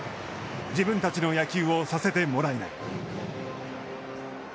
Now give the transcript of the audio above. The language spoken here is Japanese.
自分たちの野球をさせてもらえない。